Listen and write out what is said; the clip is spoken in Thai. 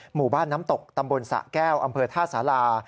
หมู่บ้านน้ำตกตำบลสะแก้วอำเภอท่าสารา